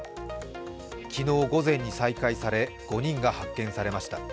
昨日午前に再開され、５人が発見されました。